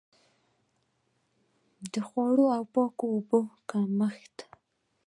خوړو او پاکو اوبو د کمښت.